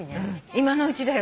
今のうちだよ。